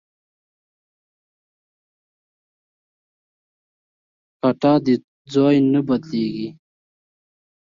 کټه د ځای نه بدلېږي.